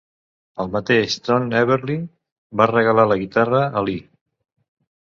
El mateix Don Everly va regalar la guitarra a Lee.